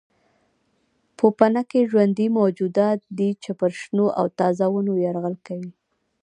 پوپنکي ژوندي موجودات دي چې پر شنو او تازه ونو یرغل کوي.